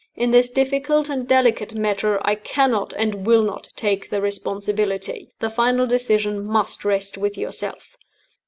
In this difficult and delicate matter I cannot and will not take the responsibility: the final decision must rest with yourself.